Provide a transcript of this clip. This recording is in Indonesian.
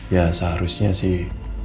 ya seharusnya sih